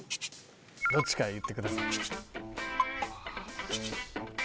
どっちか言ってください